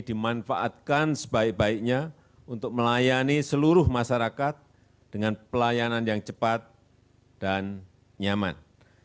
dimanfaatkan sebaik baiknya untuk melayani seluruh masyarakat dengan pelayanan yang cepat dan nyaman